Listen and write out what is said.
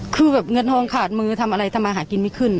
คือแบบเงินทองขาดมือทำอะไรทำมาหากินไม่ขึ้น